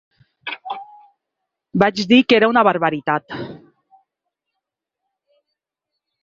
Vaig dir que era una barbaritat.